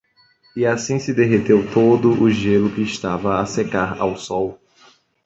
e assim se derreteu todo o gelo que estava a secar ao sol